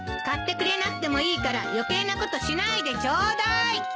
買ってくれなくてもいいから余計なことしないでちょうだい。